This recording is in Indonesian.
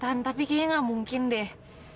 kan tapi kayaknya gak mungkin deh